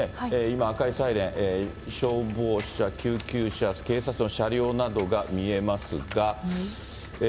今、赤いサイレン、消防車、救急車、警察の車両などが見えますが。